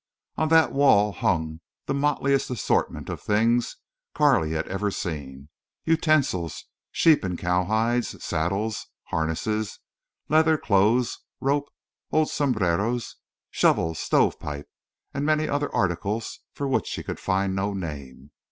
On that wall hung the motliest assortment of things Carley had ever seen—utensils, sheep and cow hides, saddles, harness, leather clothes, ropes, old sombreros, shovels, stove pipe, and many other articles for which she could find no name.